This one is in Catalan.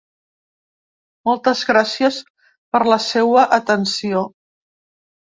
Moltes gràcies per la seua atenció.